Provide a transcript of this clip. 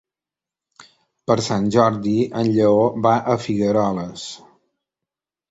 Per Sant Jordi en Lleó va a Figueroles.